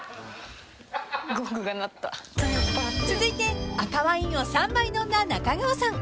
［続いて赤ワインを３杯飲んだ中川さん］